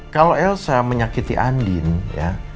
kalau elsa menyakiti andin ya